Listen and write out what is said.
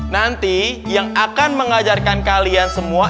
nanti yang akan mengajarkan kalian semua